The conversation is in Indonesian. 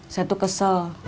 saya tuh kesel